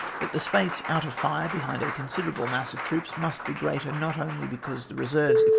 But the space (out of fire) behind a considerable mass of troops must be greater, not only because the reserves, etc.